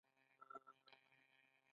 د کدو تخم څنګه وچ کړم؟